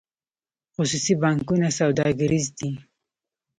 خصوصي بانکونه سوداګریز دي